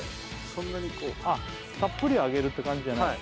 そんなにこうたっぷり揚げるって感じじゃない